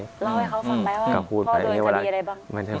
เล่าให้เขาฟังไหมว่าพ่อโดนคดีอะไรบ้าง